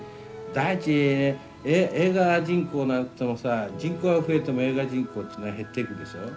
第一映画人口なんてもんはさ人口が増えても映画人口ってのは減っていくでしょう？